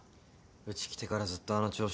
うち来てからずっとあの調子だ。